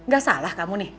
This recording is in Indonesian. gak salah kamu nih